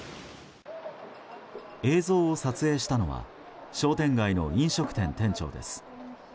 映像を撮影したのは商店街の飲食店店長です。